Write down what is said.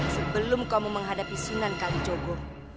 sebelum kamu menghadapi sunan kalijogo